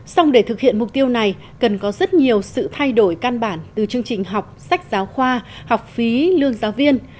xong để thực hiện mục tiêu này cần có rất nhiều sự thay đổi căn bản từ chương trình học sách giáo khoa học phí lương giáo viên